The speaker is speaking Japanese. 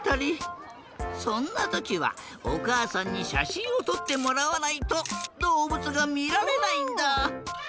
そんなときはおかあさんにしゃしんをとってもらわないとどうぶつがみられないんだ。